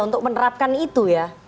untuk menerapkan itu ya